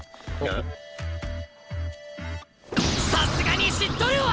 さすがに知っとるわ！